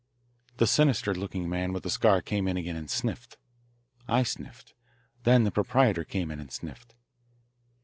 The sinister looking man with the scar came in again and sniffed. I sniffed. Then the proprietor came in and sniffed.